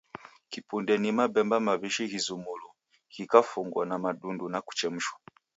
Kipunde ni mabemba maw'ishi ghizumulo, ghikafungwa na madundu na kuchemshwa